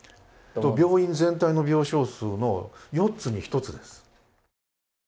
病院全体の病床数の４つに１つです。